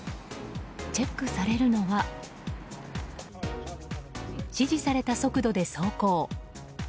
チェックされるのは指示された速度で走行